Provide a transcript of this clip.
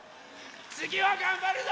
つぎはがんばるぞ！